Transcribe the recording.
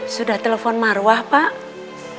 sudah telepon marwa pak